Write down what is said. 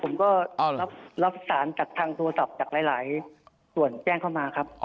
ผมก็รับสารจากทางโทรศัพท์จากหลายส่วนแจ้งเข้ามาครับ